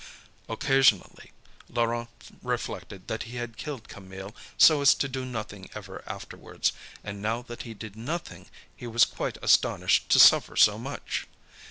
Occasionally Laurent reflected that he had killed Camille so as to do nothing ever afterwards, and now that he did nothing, he was quite astonished to suffer so much.